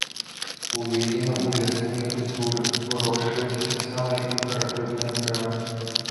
Уведзена ў лясныя культуры, вырошчваецца таксама як дэкаратыўнае дрэва.